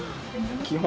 基本